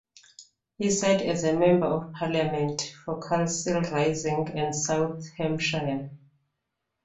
He sat as Member of Parliament for Castle Rising and South Hampshire.